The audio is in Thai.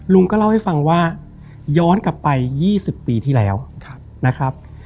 ลุงก็เล่าให้ฟังว่าย้อนกลับไป๒๐ปีที่แล้วนะครับ